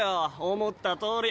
思ったとおり。